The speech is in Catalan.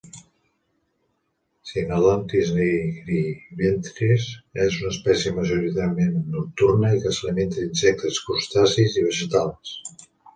"Synodontis nigriventris" és una espècie majoritàriament nocturna i que s'alimenta d'insectes, crustacis i vegetals.